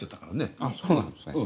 あっそうなんですね。